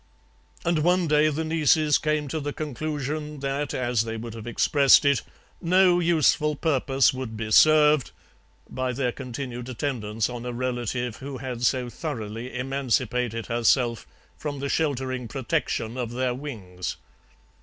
"And one day the nieces came to the conclusion that, as they would have expressed it, 'no useful purpose would be served' by their continued attendance on a relative who had so thoroughly emancipated herself from the sheltering protection of their wings.